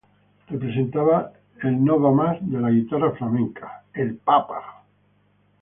Representaba el no va más de la guitarra flamenca, el Papa.